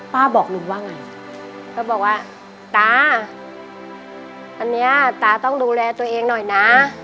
บอกลุงว่าไงก็บอกว่าตาอันเนี้ยตาต้องดูแลตัวเองหน่อยนะ